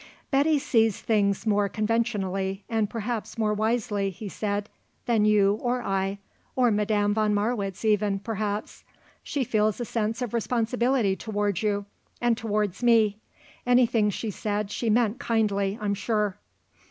"Betty sees things more conventionally and perhaps more wisely," he said, "than you or I or Madame von Marwitz, even, perhaps. She feels a sense of responsibility towards you and towards me. Anything she said she meant kindly, I'm sure."